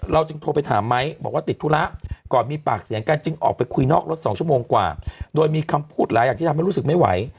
จึงโทรไปถามไม้บอกว่าติดธุระก่อนมีปากเสียงกันจึงออกไปคุยนอกรถ๒ชั่วโมงกว่าโดยมีคำพูดหลายอย่างที่ทำให้รู้สึกไม่ไหว